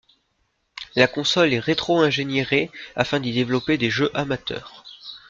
La console est rétro-ingénierée afin d'y développer des jeux amateurs.